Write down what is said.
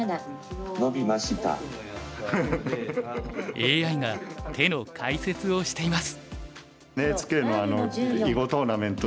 ＡＩが手の解説をしています。